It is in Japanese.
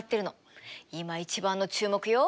今一番の注目よ。